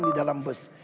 di dalam bus